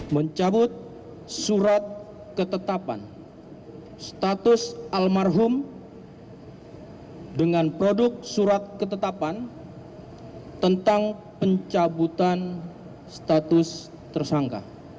mencabut surat ketetapan status almarhum dengan produk surat ketetapan tentang pencabutan status tersangka